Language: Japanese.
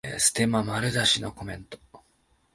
ステマ丸出しのコメント